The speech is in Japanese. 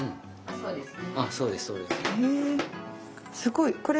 そうですね。